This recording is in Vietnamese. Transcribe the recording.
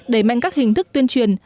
đẩy mạnh các hình thức tuyên truyền